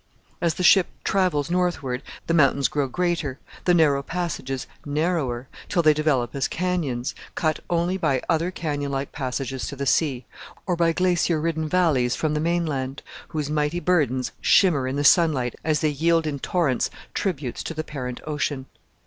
As the ship travels northward the mountains grow greater, the narrow passages narrower, till they develop as canyons, cut only by other canyon like passages to the sea, or by glacier ridden valleys from the mainland, whose mighty burdens shimmer in the sunlight as they yield in torrents tributes to the parent ocean.